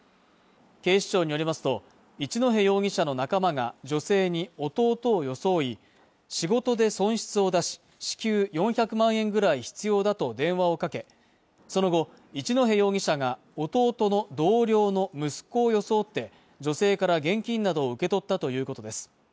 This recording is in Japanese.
警視庁によりますと一戸容疑者の仲間が女性に弟を装い仕事で損失を出し至急４００万円ぐらい必要だと電話をかけその後一戸容疑者が弟の同僚の息子を装って女性から現金などを受け取ったということです